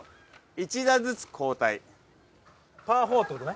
１打ずつ交代」。